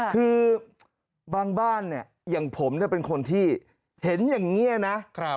คือบางบ้านเนี่ยอย่างผมเป็นคนที่เห็นอย่างนี้นะ